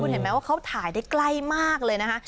เห็นไหมว่าเขาถ่ายได้ใกล้มากเลยนะคะ